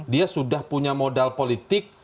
dia sudah punya modal politik